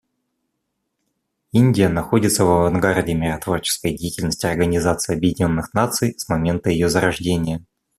Индия находится в авангарде миротворческой деятельности Организации Объединенных Наций с момента ее зарождения.